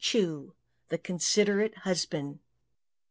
CHU, THE CONSIDERATE HUSBAND.